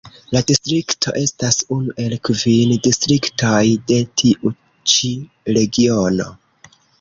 La distrikto estas unu el kvin distriktoj de tiu ĉi Regiono.